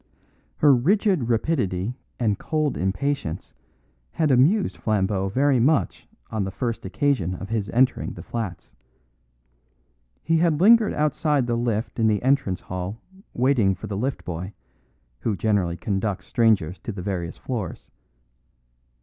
Her rigid rapidity and cold impatience had amused Flambeau very much on the first occasion of his entering the flats. He had lingered outside the lift in the entrance hall waiting for the lift boy, who generally conducts strangers to the various floors.